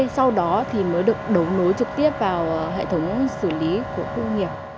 sau đó thì mới được đổ nối trực tiếp vào hệ thống xử lý của công nghiệp